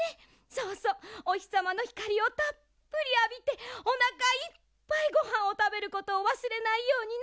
そうそうおひさまのひかりをたっぷりあびておなかいっぱいごはんをたべることをわすれないようにね。